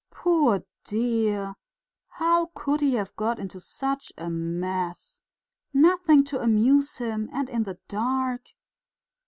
"Poor dear! how could he have got into such a mess ... nothing to amuse him, and in the dark....